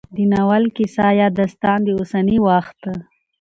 د ناول کيسه يا داستان د اوسني وخت